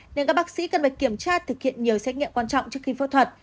nên các bác sĩ cần phải kiểm tra thực hiện nhiều xét nghiệm quan trọng trước khi phẫu thuật